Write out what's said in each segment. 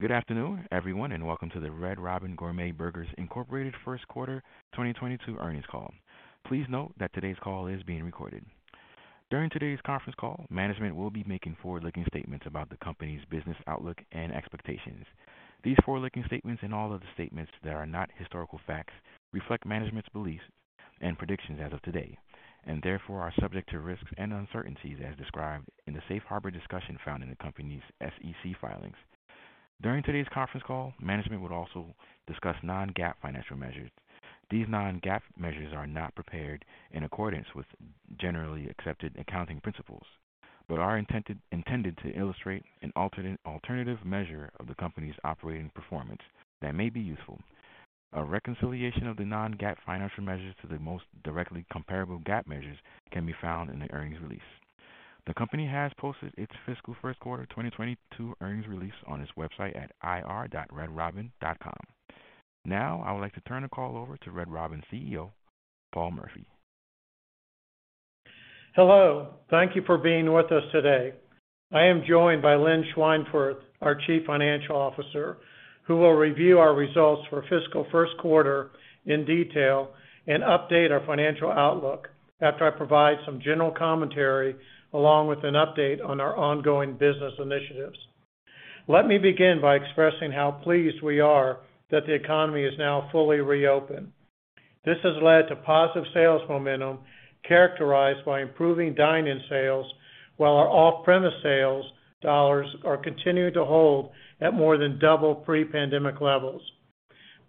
Good afternoon, everyone, and welcome to the Red Robin Gourmet Burgers, Inc. First Quarter 2022 Earnings Call. Please note that today's call is being recorded. During today's conference call, management will be making forward-looking statements about the company's business outlook and expectations. These forward-looking statements, and all of the statements that are not historical facts, reflect management's beliefs and predictions as of today, and therefore are subject to risks and uncertainties as described in the safe harbor discussion found in the company's SEC filings. During today's conference call, management will also discuss non-GAAP financial measures. These non-GAAP measures are not prepared in accordance with generally accepted accounting principles, but are intended to illustrate an alternative measure of the company's operating performance that may be useful. A reconciliation of the non-GAAP financial measures to the most directly comparable GAAP measures can be found in the earnings release. The company has posted its fiscal first quarter 2022 earnings release on its website at ir.redrobin.com. Now, I would like to turn the call over to Red Robin CEO Paul Murphy. Hello. Thank you for being with us today. I am joined by Lynn Schweinfurth, our Chief Financial Officer, who will review our results for fiscal first quarter in detail and update our financial outlook after I provide some general commentary along with an update on our ongoing business initiatives. Let me begin by expressing how pleased we are that the economy is now fully reopened. This has led to positive sales momentum characterized by improving dine-in sales, while our off-premise sales dollars are continuing to hold at more than double pre-pandemic levels.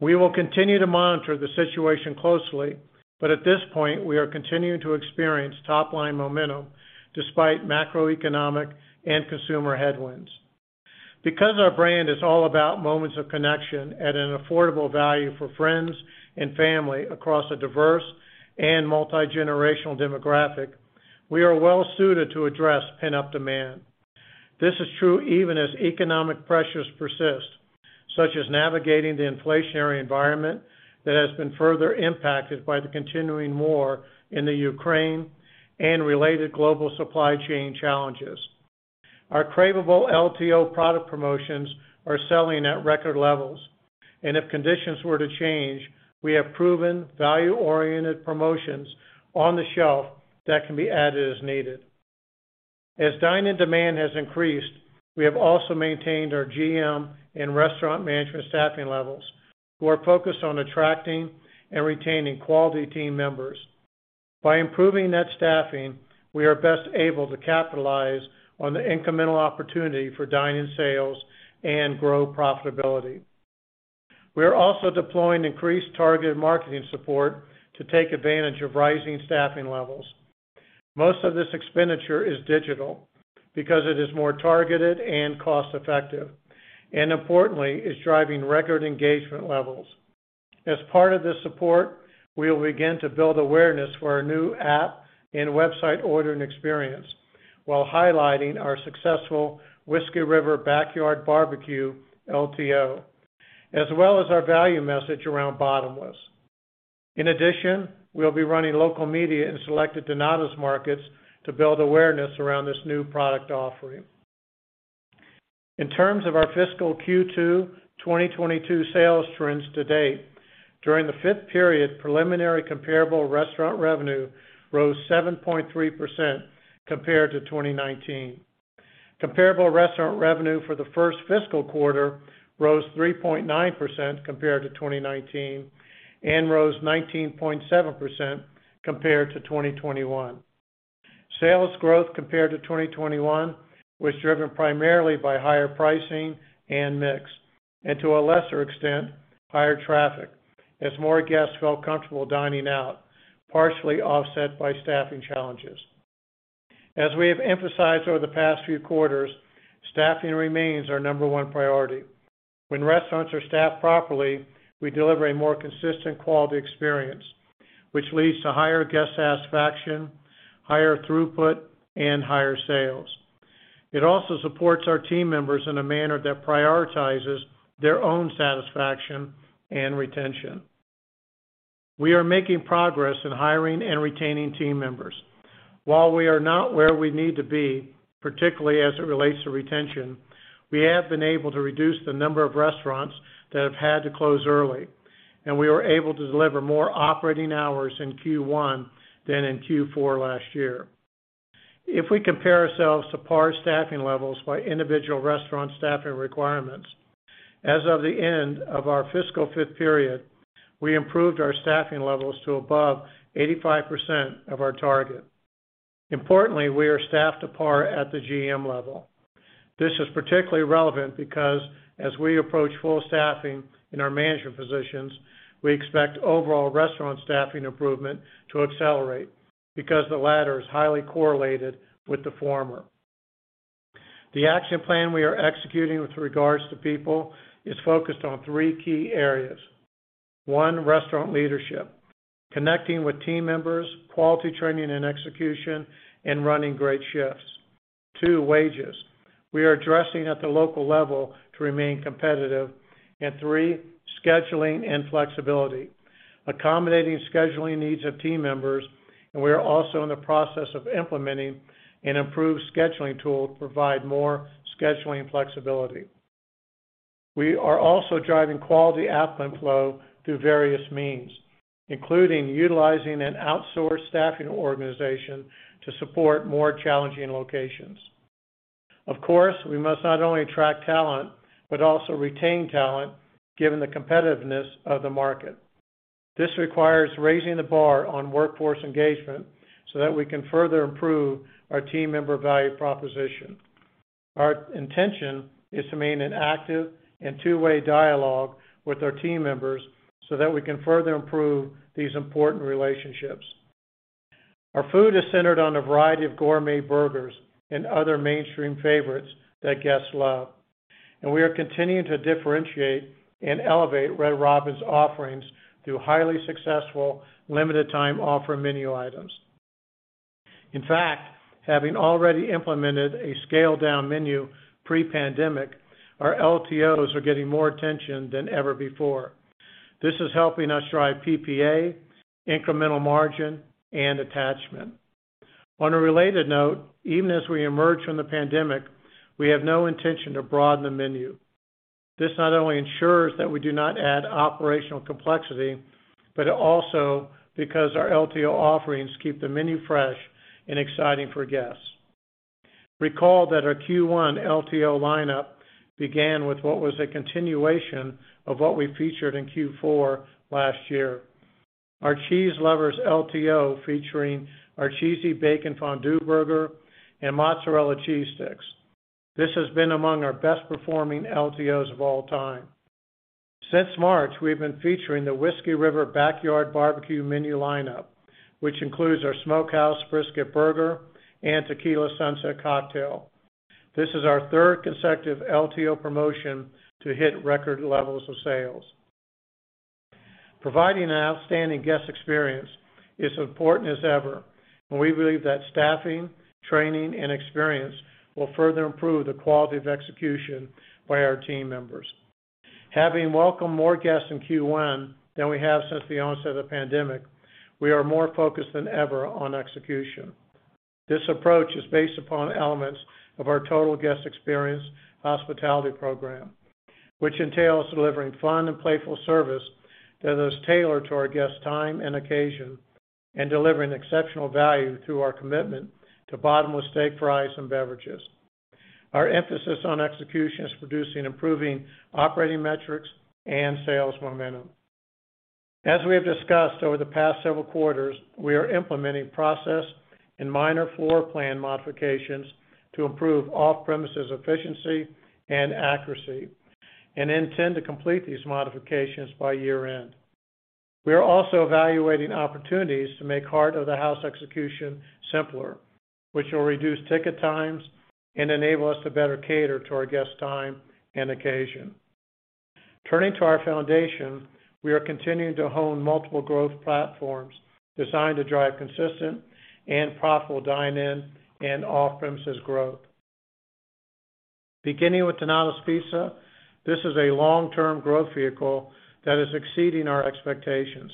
We will continue to monitor the situation closely, but at this point, we are continuing to experience top-line momentum despite macroeconomic and consumer headwinds. Because our brand is all about moments of connection at an affordable value for friends and family across a diverse and multigenerational demographic, we are well suited to address pent-up demand. This is true even as economic pressures persist, such as navigating the inflationary environment that has been further impacted by the continuing war in the Ukraine and related global supply chain challenges. Our craveable LTO product promotions are selling at record levels, and if conditions were to change, we have proven value-oriented promotions on the shelf that can be added as needed. As dine-in demand has increased, we have also maintained our GM and restaurant management staffing levels, who are focused on attracting and retaining quality team members. By improving net staffing, we are best able to capitalize on the incremental opportunity for dine-in sales and grow profitability. We are also deploying increased targeted marketing support to take advantage of rising staffing levels. Most of this expenditure is digital because it is more targeted and cost effective, and importantly, is driving record engagement levels. As part of this support, we will begin to build awareness for our new app and website ordering experience while highlighting our successful Whiskey River Backyard BBQ LTO, as well as our value message around Bottomless. In addition, we'll be running local media in selected Donatos markets to build awareness around this new product offering. In terms of our fiscal Q2 2022 sales trends to date, during the fifth period, preliminary comparable restaurant revenue rose 7.3% compared to 2019. Comparable restaurant revenue for the first fiscal quarter rose 3.9% compared to 2019 and rose 19.7% compared to 2021. Sales growth compared to 2021 was driven primarily by higher pricing and mix, and to a lesser extent, higher traffic as more guests felt comfortable dining out, partially offset by staffing challenges. As we have emphasized over the past few quarters, staffing remains our number one priority. When restaurants are staffed properly, we deliver a more consistent quality experience, which leads to higher guest satisfaction, higher throughput, and higher sales. It also supports our team members in a manner that prioritizes their own satisfaction and retention. We are making progress in hiring and retaining team members. While we are not where we need to be, particularly as it relates to retention, we have been able to reduce the number of restaurants that have had to close early, and we were able to deliver more operating hours in Q1 than in Q4 last year. If we compare ourselves to par staffing levels by individual restaurant staffing requirements, as of the end of our fiscal fifth period, we improved our staffing levels to above 85% of our target. Importantly, we are staffed to par at the GM level. This is particularly relevant because as we approach full staffing in our management positions, we expect overall restaurant staffing improvement to accelerate because the latter is highly correlated with the former. The action plan we are executing with regards to people is focused on three key areas. One, restaurant leadership. Connecting with team members, quality training and execution, and running great shifts. Two, wages. We are addressing at the local level to remain competitive. Three, scheduling and flexibility. Accommodating scheduling needs of team members. We are also in the process of implementing an improved scheduling tool to provide more scheduling flexibility. We are also driving quality output flow through various means, including utilizing an outsourced staffing organization to support more challenging locations. Of course, we must not only attract talent, but also retain talent, given the competitiveness of the market. This requires raising the bar on workforce engagement so that we can further improve our team member value proposition. Our intention is to maintain an active and two-way dialogue with our team members so that we can further improve these important relationships. Our food is centered on a variety of gourmet burgers and other mainstream favorites that guests love, and we are continuing to differentiate and elevate Red Robin's offerings through highly successful limited time offer menu items. In fact, having already implemented a scaled-down menu pre-pandemic, our LTOs are getting more attention than ever before. This is helping us drive PPA, incremental margin, and attachment. On a related note, even as we emerge from the pandemic, we have no intention to broaden the menu. This not only ensures that we do not add operational complexity, but also because our LTO offerings keep the menu fresh and exciting for guests. Recall that our Q1 LTO lineup began with what was a continuation of what we featured in Q4 last year. Our cheese lovers LTO featuring our Cheesy Bacon Fondue Burger and mozzarella cheese sticks. This has been among our best-performing LTOs of all time. Since March, we've been featuring the Whiskey River Backyard BBQ menu lineup, which includes our Smokehouse Brisket Burger and Tequila Sunset cocktail. This is our third consecutive LTO promotion to hit record levels of sales. Providing an outstanding guest experience is important as ever, and we believe that staffing, training, and experience will further improve the quality of execution by our team members. Having welcomed more guests in Q1 than we have since the onset of the pandemic, we are more focused than ever on execution. This approach is based upon elements of our total guest experience hospitality program, which entails delivering fun and playful service that is tailored to our guests' time and occasion, and delivering exceptional value through our commitment to Bottomless steak fries and beverages. Our emphasis on execution is producing improving operating metrics and sales momentum. As we have discussed over the past several quarters, we are implementing process and minor floor plan modifications to improve off-premises efficiency and accuracy and intend to complete these modifications by year-end. We are also evaluating opportunities to make heart-of-the-house execution simpler, which will reduce ticket times and enable us to better cater to our guests' time and occasion. Turning to our foundation, we are continuing to hone multiple growth platforms designed to drive consistent and profitable dine-in and off-premises growth. Beginning with Donatos Pizza, this is a long-term growth vehicle that is exceeding our expectations.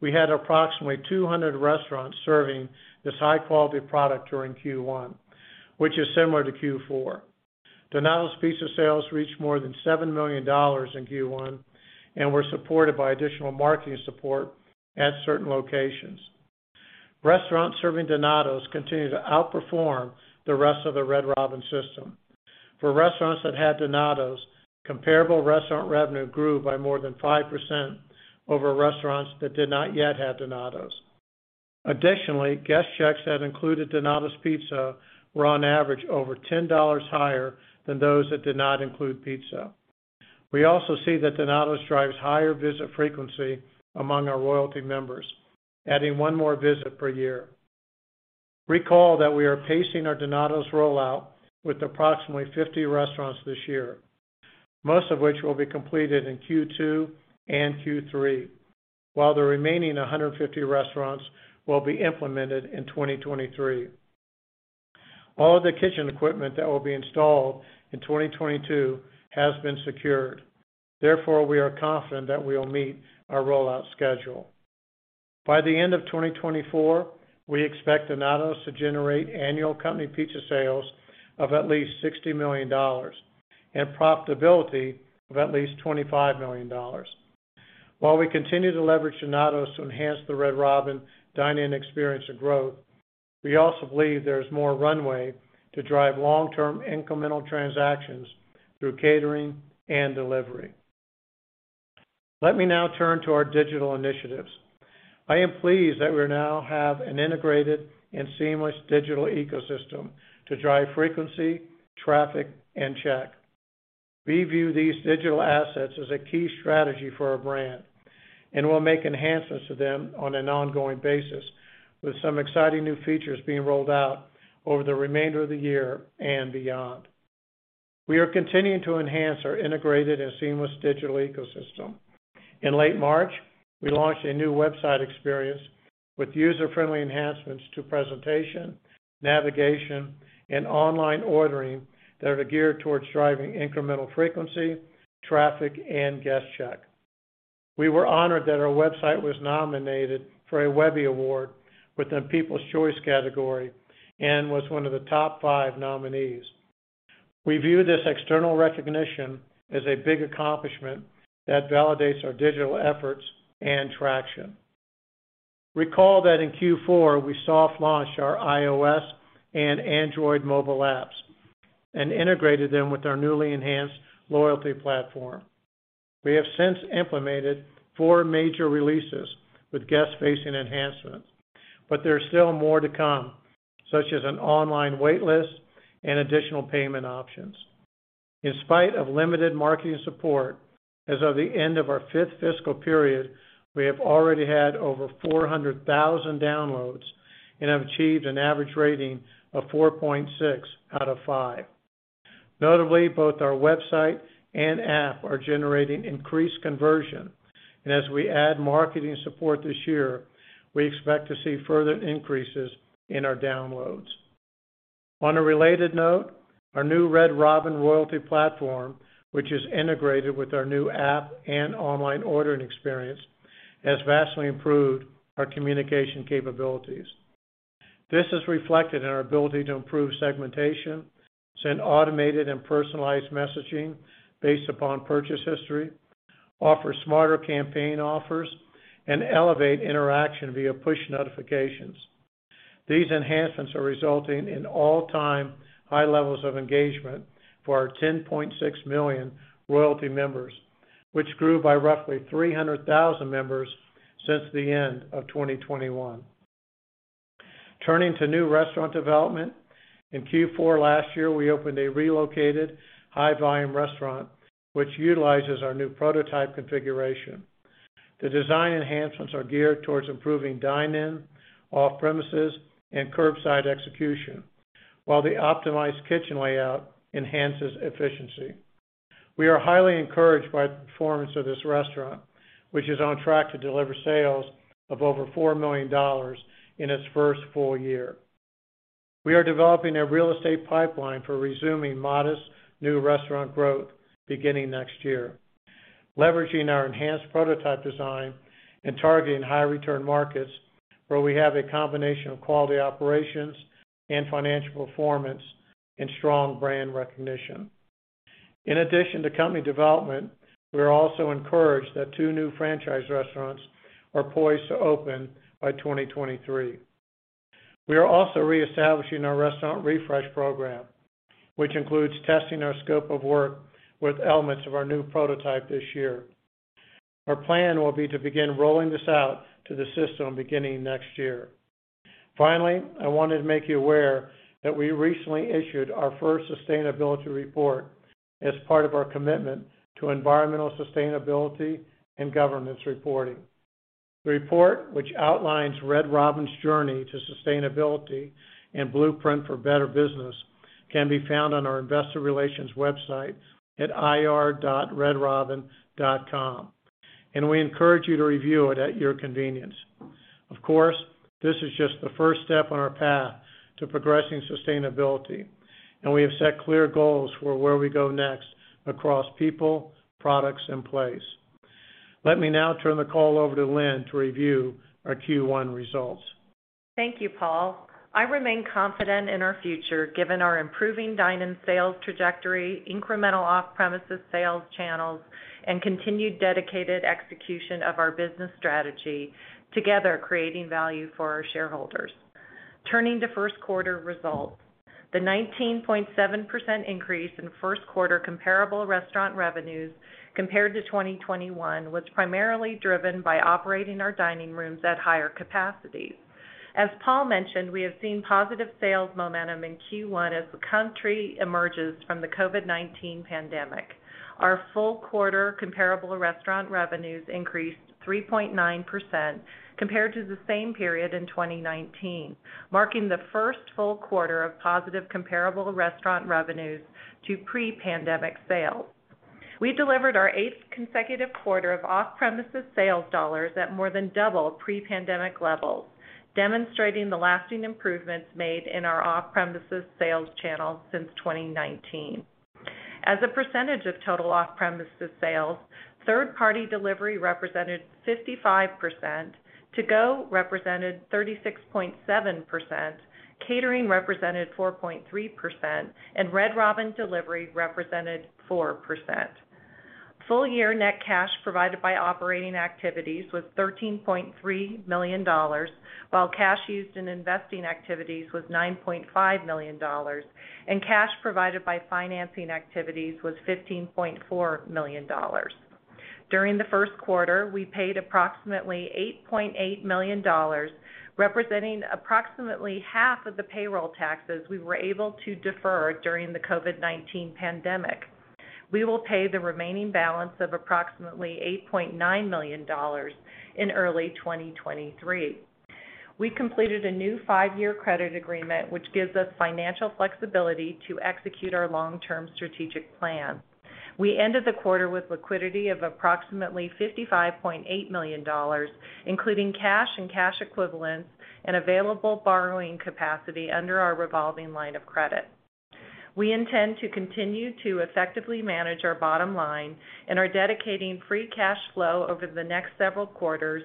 We had approximately 200 restaurants serving this high-quality product during Q1, which is similar to Q4. Donatos Pizza sales reached more than $7 million in Q1 and were supported by additional marketing support at certain locations. Restaurants serving Donatos continue to outperform the rest of the Red Robin system. For restaurants that had Donatos, comparable restaurant revenue grew by more than 5% over restaurants that did not yet have Donatos. Additionally, guest checks that included Donatos Pizza were on average over $10 higher than those that did not include pizza. We also see that Donatos drives higher visit frequency among our loyalty members, adding one more visit per year. Recall that we are pacing our Donatos rollout with approximately 50 restaurants this year, most of which will be completed in Q2 and Q3, while the remaining 150 restaurants will be implemented in 2023. All of the kitchen equipment that will be installed in 2022 has been secured. Therefore, we are confident that we will meet our rollout schedule. By the end of 2024, we expect Donatos to generate annual company pizza sales of at least $60 million and profitability of at least $25 million. While we continue to leverage Donatos to enhance the Red Robin dine-in experience and growth, we also believe there is more runway to drive long-term incremental transactions through catering and delivery. Let me now turn to our digital initiatives. I am pleased that we now have an integrated and seamless digital ecosystem to drive frequency, traffic, and check. We view these digital assets as a key strategy for our brand and will make enhancements to them on an ongoing basis, with some exciting new features being rolled out over the remainder of the year and beyond. We are continuing to enhance our integrated and seamless digital ecosystem. In late March, we launched a new website experience with user-friendly enhancements to presentation, navigation, and online ordering that are geared towards driving incremental frequency, traffic, and guest check. We were honored that our website was nominated for a Webby Award within People's Choice category and was one of the top five nominees. We view this external recognition as a big accomplishment that validates our digital efforts and traction. Recall that in Q4, we soft launched our iOS and Android mobile apps and integrated them with our newly enhanced loyalty platform. We have since implemented four major releases with guest-facing enhancements, but there's still more to come, such as an online wait list and additional payment options. In spite of limited marketing support, as of the end of our fifth fiscal period, we have already had over 400,000 downloads and have achieved an average rating of 4.6 out of 5. Notably, both our website and app are generating increased conversion. As we add marketing support this year, we expect to see further increases in our downloads. On a related note, our new Red Robin Royalty platform, which is integrated with our new app and online ordering experience, has vastly improved our communication capabilities. This is reflected in our ability to improve segmentation, send automated and personalized messaging based upon purchase history, offer smarter campaign offers, and elevate interaction via push notifications. These enhancements are resulting in all-time high levels of engagement for our 10.6 million royalty members, which grew by roughly 300,000 members since the end of 2021. Turning to new restaurant development. In Q4 last year, we opened a relocated high-volume restaurant which utilizes our new prototype configuration. The design enhancements are geared towards improving dine-in, off-premises, and curbside execution, while the optimized kitchen layout enhances efficiency. We are highly encouraged by the performance of this restaurant, which is on track to deliver sales of over $4 million in its first full year. We are developing a real estate pipeline for resuming modest new restaurant growth beginning next year, leveraging our enhanced prototype design and targeting high return markets where we have a combination of quality operations and financial performance and strong brand recognition. In addition to company development, we are also encouraged that two new franchise restaurants are poised to open by 2023. We are also reestablishing our Restaurant Refresh Program, which includes testing our scope of work with elements of our new prototype this year. Our plan will be to begin rolling this out to the system beginning next year. Finally, I wanted to make you aware that we recently issued our first sustainability report as part of our commitment to environmental sustainability and governance reporting. The report, which outlines Red Robin's journey to sustainability and blueprint for better business, can be found on our investor relations website at ir.redrobin.com, and we encourage you to review it at your convenience. Of course, this is just the first step on our path to progressing sustainability, and we have set clear goals for where we go next across people, products, and place. Let me now turn the call over to Lynn to review our Q1 results. Thank you, Paul. I remain confident in our future given our improving dine-in sales trajectory, incremental off-premises sales channels, and continued dedicated execution of our business strategy, together creating value for our shareholders. Turning to first quarter results, the 19.7% increase in first quarter comparable restaurant revenues compared to 2021 was primarily driven by operating our dining rooms at higher capacity. As Paul mentioned, we have seen positive sales momentum in Q1 as the country emerges from the COVID-19 pandemic. Our full quarter comparable restaurant revenues increased 3.9% compared to the same period in 2019, marking the first full quarter of positive comparable restaurant revenues to pre-pandemic sales. We delivered our eighth consecutive quarter of off-premises sales dollars at more than double pre-pandemic levels, demonstrating the lasting improvements made in our off-premises sales channels since 2019. As a percentage of total off-premises sales, third-party delivery represented 55%, to-go represented 36.7%, catering represented 4.3%, and Red Robin delivery represented 4%. Full year net cash provided by operating activities was $13.3 million, while cash used in investing activities was $9.5 million, and cash provided by financing activities was $15.4 million. During the first quarter, we paid approximately $8.8 million, representing approximately half of the payroll taxes we were able to defer during the COVID-19 pandemic. We will pay the remaining balance of approximately $8.9 million in early 2023. We completed a new five-year credit agreement, which gives us financial flexibility to execute our long-term strategic plan. We ended the quarter with liquidity of approximately $55.8 million, including cash and cash equivalents and available borrowing capacity under our revolving line of credit. We intend to continue to effectively manage our bottom line and are dedicating free cash flow over the next several quarters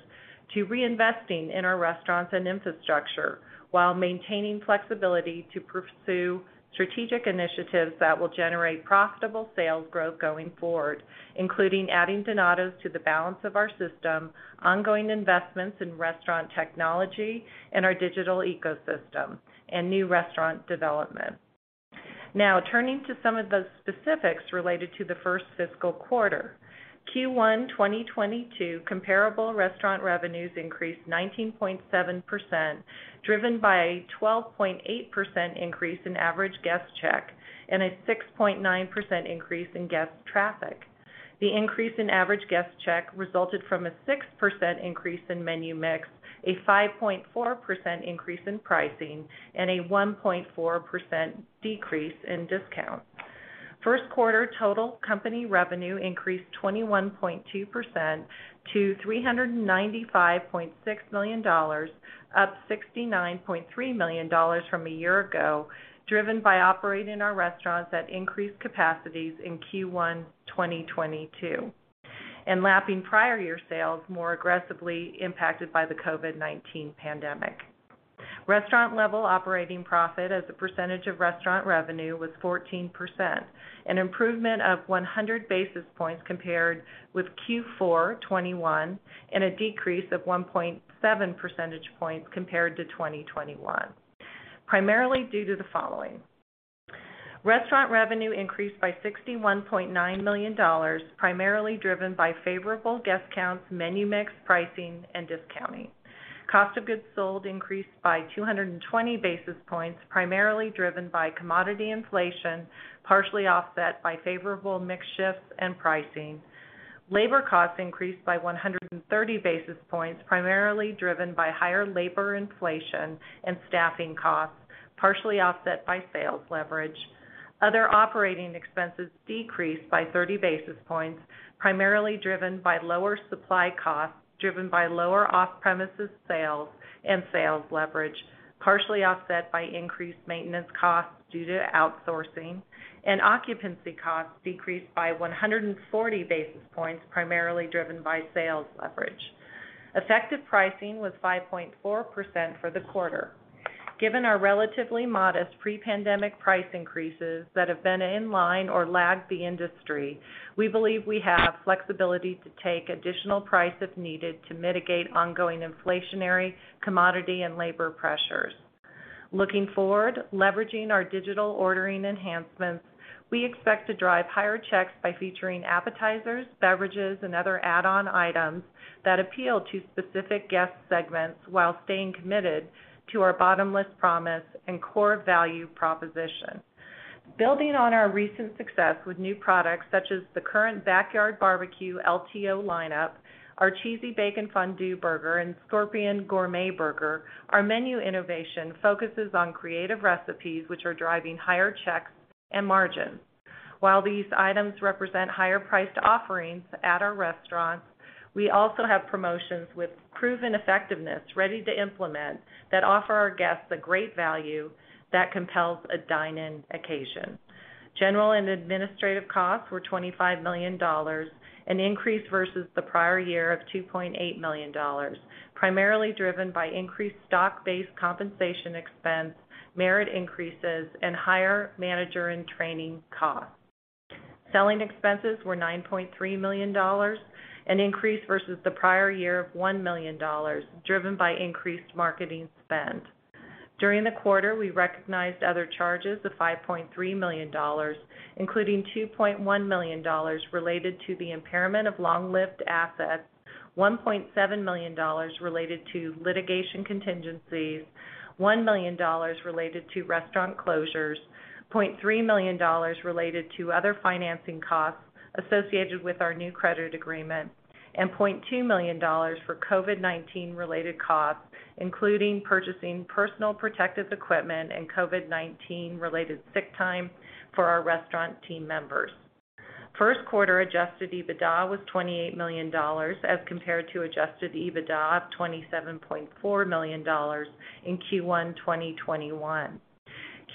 to reinvesting in our restaurants and infrastructure while maintaining flexibility to pursue strategic initiatives that will generate profitable sales growth going forward, including adding Donatos to the balance of our system, ongoing investments in restaurant technology and our digital ecosystem, and new restaurant development. Now turning to some of the specifics related to the first fiscal quarter. Q1 2022 comparable restaurant revenues increased 19.7%, driven by a 12.8% increase in average guest check and a 6.9% increase in guest traffic. The increase in average guest check resulted from a 6% increase in menu mix, a 5.4% increase in pricing, and a 1.4% decrease in discount. First quarter total company revenue increased 21.2% to $395.6 million, up $69.3 million from a year ago, driven by operating our restaurants at increased capacities in Q1 2022 and lapping prior year sales more aggressively impacted by the COVID-19 pandemic. Restaurant level operating profit as a percentage of restaurant revenue was 14%, an improvement of 100 basis points compared with Q4 2021 and a decrease of 1.7 percentage points compared to 2021, primarily due to the following. Restaurant revenue increased by $61.9 million, primarily driven by favorable guest counts, menu mix, pricing, and discounting. Cost of goods sold increased by 220 basis points, primarily driven by commodity inflation, partially offset by favorable mix shifts and pricing. Labor costs increased by 130 basis points, primarily driven by higher labor inflation and staffing costs, partially offset by sales leverage. Other operating expenses decreased by 30 basis points, primarily driven by lower supply costs, driven by lower off-premises sales and sales leverage, partially offset by increased maintenance costs due to outsourcing. Occupancy costs decreased by 140 basis points, primarily driven by sales leverage. Effective pricing was 5.4% for the quarter. Given our relatively modest pre-pandemic price increases that have been in line or lagged the industry, we believe we have flexibility to take additional price if needed to mitigate ongoing inflationary commodity and labor pressures. Looking forward, leveraging our digital ordering enhancements, we expect to drive higher checks by featuring appetizers, beverages, and other add-on items that appeal to specific guest segments while staying committed to our Bottomless promise and core value proposition. Building on our recent success with new products such as the current Whiskey River Backyard BBQ LTO lineup, our Cheesy Bacon Fondue Burger, and Scorpion Gourmet Burger, our menu innovation focuses on creative recipes which are driving higher checks and margins. While these items represent higher priced offerings at our restaurants, we also have promotions with proven effectiveness ready to implement that offer our guests a great value that compels a dine-in occasion. General and administrative costs were $25 million, an increase versus the prior year of $2.8 million, primarily driven by increased stock-based compensation expense, merit increases, and higher manager in training costs. Selling expenses were $9.3 million, an increase versus the prior year of $1 million, driven by increased marketing spend. During the quarter, we recognized other charges of $5.3 million, including $2.1 million related to the impairment of long-lived assets, $1.7 million related to litigation contingencies, $1 million related to restaurant closures, $0.3 million related to other financing costs associated with our new credit agreement, and $0.2 million for COVID-19 related costs, including purchasing personal protective equipment and COVID-19 related sick time for our restaurant team members. First quarter Adjusted EBITDA was $28 million as compared to Adjusted EBITDA of $27.4 million in Q1 2021.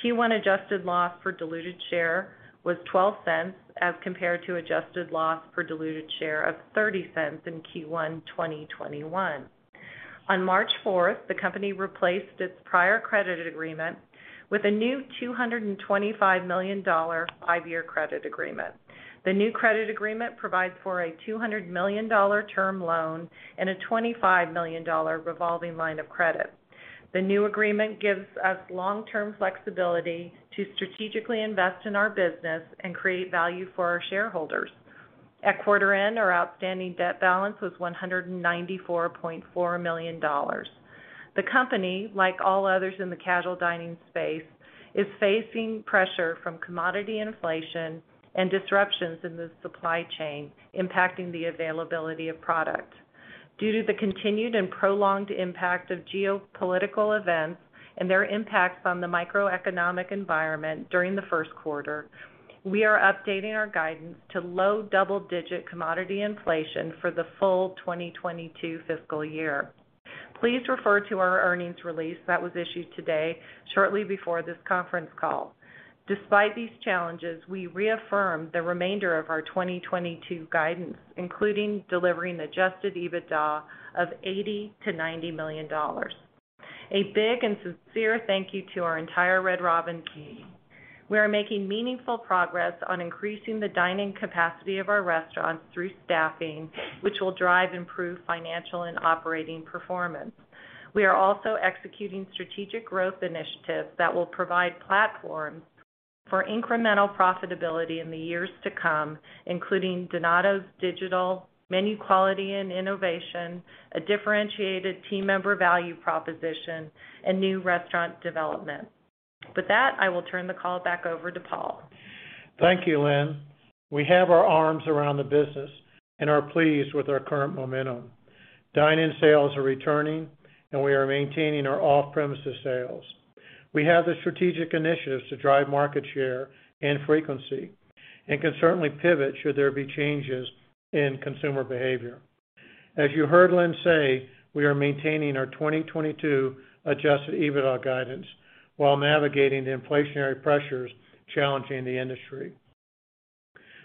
Q1 adjusted loss per diluted share was $0.12 as compared to adjusted loss per diluted share of $0.30 in Q1 2021. On March 4th, the company replaced its prior credit agreement with a new $225 million five-year credit agreement. The new credit agreement provides for a $200 million term loan and a $25 million revolving line of credit. The new agreement gives us long-term flexibility to strategically invest in our business and create value for our shareholders. At quarter end, our outstanding debt balance was $194.4 million. The company, like all others in the casual dining space, is facing pressure from commodity inflation and disruptions in the supply chain impacting the availability of product. Due to the continued and prolonged impact of geopolitical events and their impacts on the macroeconomic environment during the first quarter, we are updating our guidance to low double-digit commodity inflation for the full 2022 fiscal year. Please refer to our earnings release that was issued today shortly before this conference call. Despite these challenges, we reaffirm the remainder of our 2022 guidance, including delivering Adjusted EBITDA of $80 million-$90 million. A big and sincere thank you to our entire Red Robin team. We are making meaningful progress on increasing the dining capacity of our restaurants through staffing, which will drive improved financial and operating performance. We are also executing strategic growth initiatives that will provide platforms for incremental profitability in the years to come, including Donatos digital, menu quality and innovation, a differentiated team member value proposition, and new restaurant development. With that, I will turn the call back over to Paul. Thank you, Lynn. We have our arms around the business and are pleased with our current momentum. Dine-in sales are returning, and we are maintaining our off-premises sales. We have the strategic initiatives to drive market share and frequency and can certainly pivot should there be changes in consumer behavior. As you heard Lynn say, we are maintaining our 2022 Adjusted EBITDA guidance while navigating the inflationary pressures challenging the industry.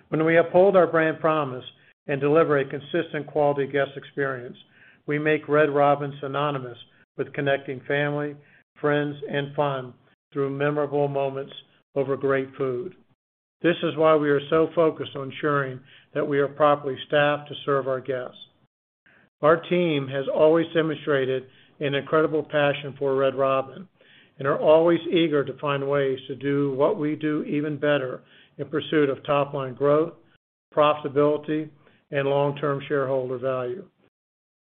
When we uphold our brand promise and deliver a consistent quality guest experience, we make Red Robin synonymous with connecting family, friends, and fun through memorable moments over great food. This is why we are so focused on ensuring that we are properly staffed to serve our guests. Our team has always demonstrated an incredible passion for Red Robin and are always eager to find ways to do what we do even better in pursuit of top-line growth, profitability, and long-term shareholder value.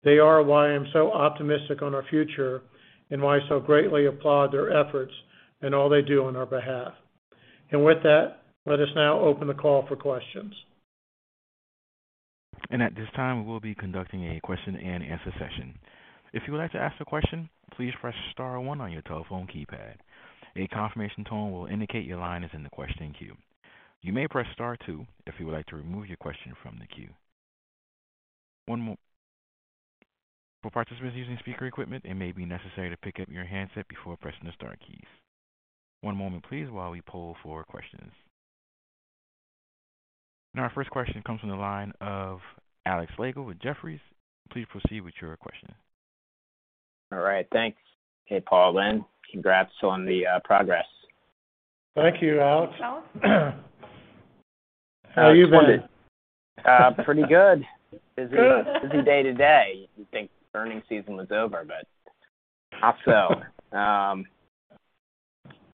They are why I'm so optimistic on our future and why I so greatly applaud their efforts and all they do on our behalf. With that, let us now open the call for questions. At this time, we will be conducting a question-and-answer session. If you would like to ask a question, please press star 1 on your telephone keypad. A confirmation tone will indicate your line is in the question queue. You may press star 2 if you would like to remove your question from the queue. For participants using speaker equipment, it may be necessary to pick up your handset before pressing the star keys. One moment please while we poll for questions. Now our first question comes from the line of Alexander Slagle with Jefferies. Please proceed with your question. All right, thanks. Hey, Paul, Lynn. Congrats on the progress. Thank you, Alex. How have you been? Pretty good. Busy, busy day today. You think earnings season was over, but not so.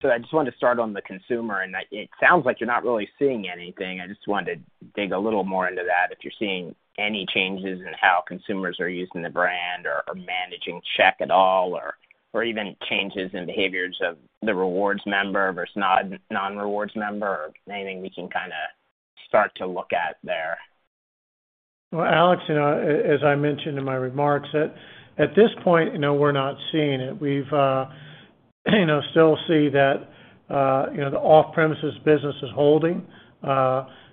I just wanted to start on the consumer. It sounds like you're not really seeing anything. I just wanted to dig a little more into that if you're seeing any changes in how consumers are using the brand or managing check at all or even changes in behaviors of the rewards member versus non-rewards member or anything we can kinda start to look at there. Well, Alex, you know, as I mentioned in my remarks at this point, you know, we're not seeing it. We still see that the off-premises business is holding.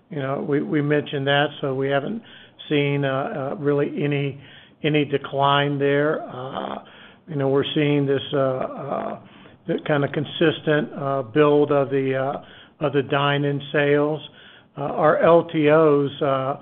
We mentioned that, so we haven't seen really any decline there. We're seeing this kind of consistent build of the dine-in sales. Our LTOs,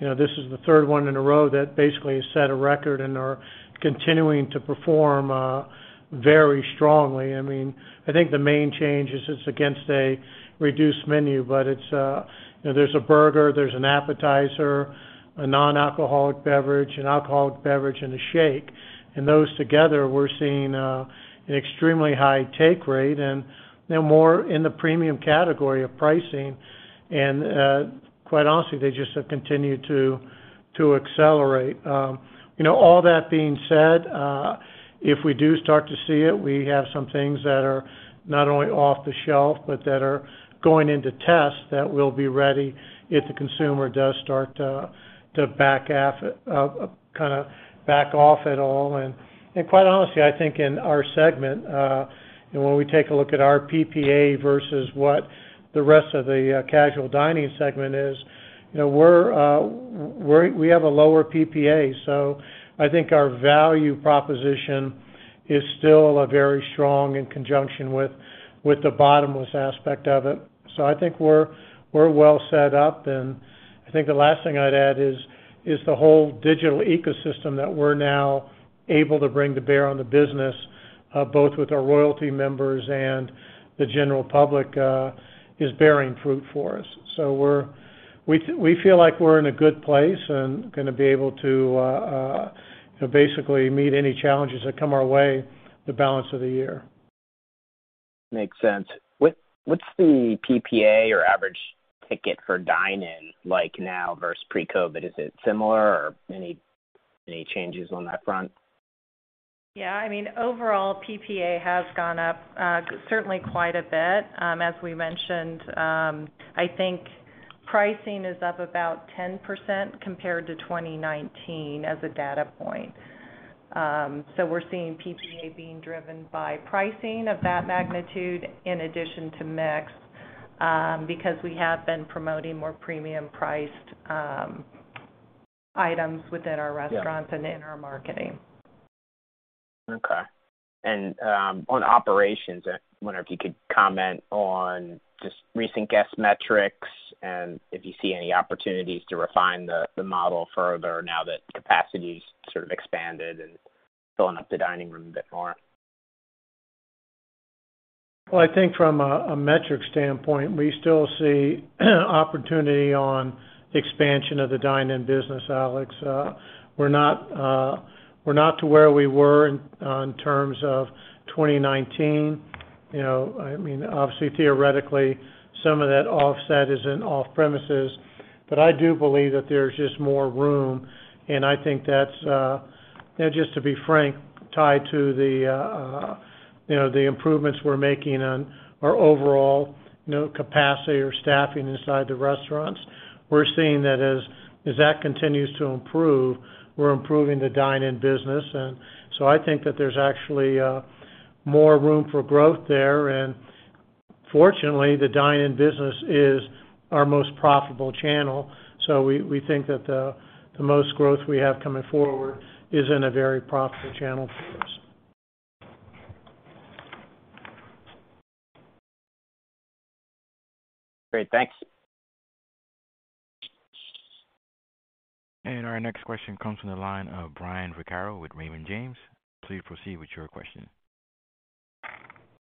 you know, this is the third one in a row that basically has set a record and are continuing to perform very strongly. I mean, I think the main change is it's against a reduced menu, but it's you know, there's a burger, there's an appetizer, a non-alcoholic beverage, an alcoholic beverage, and a shake. Those together, we're seeing an extremely high take rate and, you know, more in the premium category of pricing. Quite honestly, they just have continued to accelerate. You know, all that being said, if we do start to see it, we have some things that are not only off the shelf but that are going into tests that will be ready if the consumer does start to kinda back off at all. Quite honestly, I think in our segment, and when we take a look at our PPA versus what the rest of the casual dining segment is, you know, we have a lower PPA. I think our value proposition is still very strong in conjunction with the bottomless aspect of it. I think we're well set up. I think the last thing I'd add is the whole digital ecosystem that we're now able to bring to bear on the business, both with our Royalty members and the general public, is bearing fruit for us. We feel like we're in a good place and gonna be able to, you know, basically meet any challenges that come our way the balance of the year. Makes sense. What's the PPA or average ticket for dine-in like now versus pre-COVID? Is it similar or any changes on that front? Yeah, I mean, overall PPA has gone up, certainly quite a bit. As we mentioned, I think pricing is up about 10% compared to 2019 as a data point. We're seeing PPA being driven by pricing of that magnitude in addition to mix. Because we have been promoting more premium priced items within our restaurants and - Yeah. - in our marketing. Okay. On operations, I wonder if you could comment on just recent guest metrics and if you see any opportunities to refine the model further now that capacity's sort of expanded and filling up the dining room a bit more? Well, I think from a metric standpoint, we still see opportunity on expansion of the dine-in business, Alex. We're not to where we were in terms of 2019. You know, I mean, obviously, theoretically, some of that offset is in off-premises. I do believe that there's just more room, and I think that's just to be frank, tied to the improvements we're making on our overall capacity or staffing inside the restaurants. We're seeing that as that continues to improve, we're improving the dine-in business. I think that there's actually more room for growth there. Fortunately, the dine-in business is our most profitable channel, so we think that the most growth we have coming forward is in a very profitable channel for us. Great. Thanks. Our next question comes from the line of Brian Vaccaro with Raymond James. Please proceed with your question.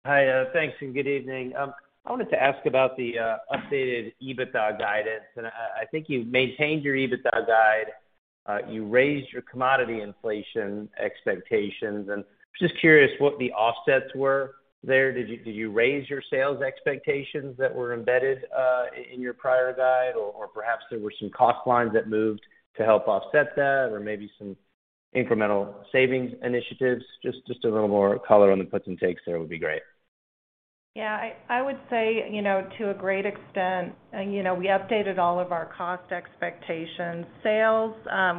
Hi, thanks and good evening. I wanted to ask about the updated EBITDA guidance. I think you've maintained your EBITDA guide. You raised your commodity inflation expectations, and just curious what the offsets were there. Did you raise your sales expectations that were embedded in your prior guide, or perhaps there were some cost lines that moved to help offset that or maybe some incremental savings initiatives? Just a little more color on the puts and takes there would be great. Yeah. I would say, you know, to a great extent, and you know, we updated all of our cost expectations. Sales,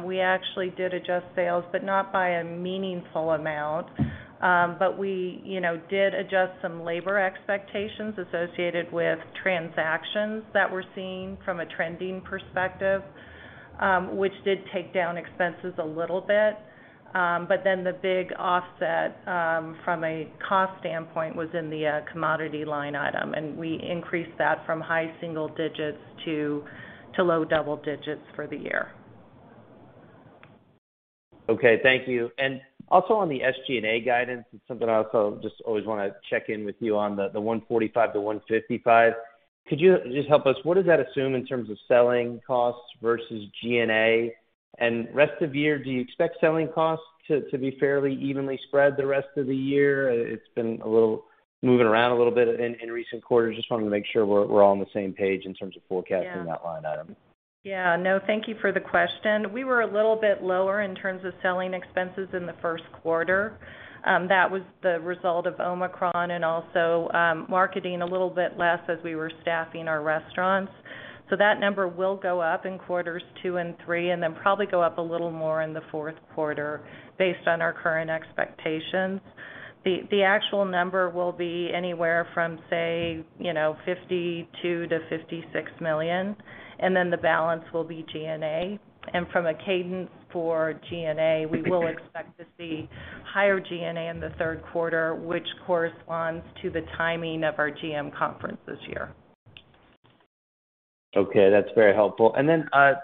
we actually did adjust sales, but not by a meaningful amount. But we, you know, did adjust some labor expectations associated with transactions that we're seeing from a trending perspective, which did take down expenses a little bit. But then the big offset from a cost standpoint was in the commodity line item, and we increased that from high single digits to low double digits for the year. Okay. Thank you. Also on the SG&A guidance, it's something I also just always wanna check in with you on the 145 to 155. Could you just help us, what does that assume in terms of selling costs versus G&A? Rest of year, do you expect selling costs to be fairly evenly spread the rest of the year? It's been a little moving around a little bit in recent quarters. Just wanted to make sure we're all on the same page in terms of forecasting- Yeah. - that line item. Yeah. No, thank you for the question. We were a little bit lower in terms of selling expenses in the first quarter. That was the result of Omicron and also, marketing a little bit less as we were staffing our restaurants. So that number will go up in quarters 2 and 3, and then probably go up a little more in the fourth quarter based on our current expectations. The actual number will be anywhere from say, you know, $52 million-$56 million, and then the balance will be G&A. From a cadence for G&A, we will expect to see higher G&A in the third quarter, which corresponds to the timing of our GM conference this year. Okay. That's very helpful.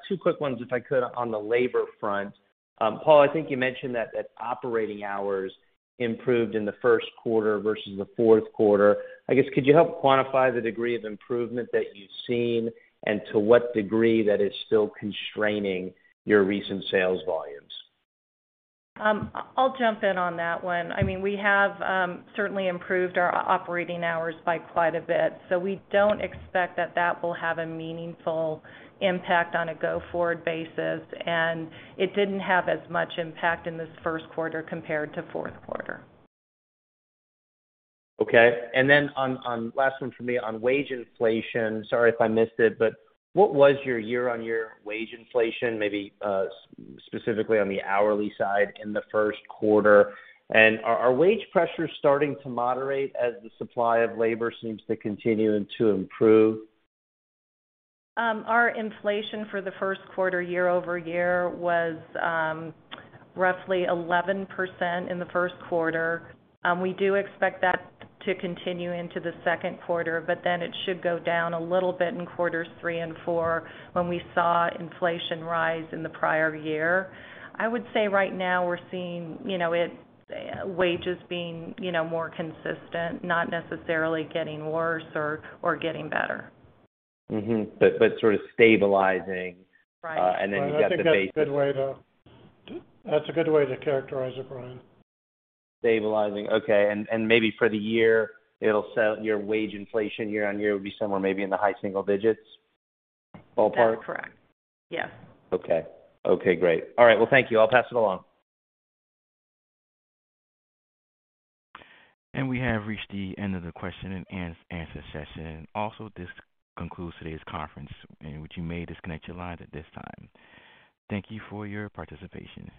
Two quick ones, if I could, on the labor front. Paul, I think you mentioned that operating hours improved in the first quarter versus the fourth quarter. I guess could you help quantify the degree of improvement that you've seen and to what degree that is still constraining your recent sales volumes? I'll jump in on that one. I mean, we have certainly improved our operating hours by quite a bit, so we don't expect that will have a meaningful impact on a go-forward basis, and it didn't have as much impact in this first quarter compared to fourth quarter. Okay. Last one for me on wage inflation. Sorry if I missed it, but what was your year-on-year wage inflation, maybe, specifically on the hourly side in the first quarter? Are wage pressures starting to moderate as the supply of labor seems to continue to improve? Our inflation for the first quarter year-over-year was roughly 11% in the first quarter. We do expect that to continue into the second quarter, but then it should go down a little bit in quarters three and four when we saw inflation rise in the prior year. I would say right now we're seeing, you know, wages being, you know, more consistent, not necessarily getting worse or getting better. Sort of stabilizing and- Right. - you got the base. I think that's a good way to characterize it, Brian. Stabilizing. Okay. Maybe for the year, you'll see wage inflation year-over-year will be somewhere maybe in the high single digits ballpark? That's correct. Yes. Okay. Okay, great. All right. Well, thank you. I'll pass it along. We have reached the end of the question and answer session. Also, this concludes today's conference, in which you may disconnect your lines at this time. Thank you for your participation.